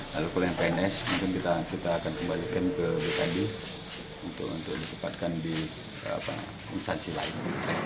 lalu kalau yang pns mungkin kita akan kembalikan ke bkd untuk ditempatkan di instansi lain